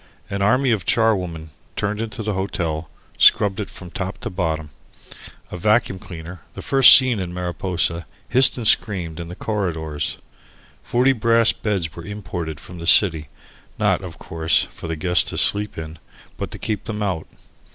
An army of charwomen, turned into the hotel, scrubbed it from top to bottom. A vacuum cleaner, the first seen in Mariposa, hissed and screamed in the corridors. Forty brass beds were imported from the city, not, of course, for the guests to sleep in, but to keep them out.